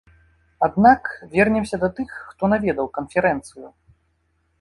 Аднак вернемся да тых, хто наведаў канферэнцыю.